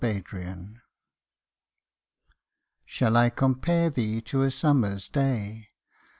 XVIII Shall I compare thee to a summer's day?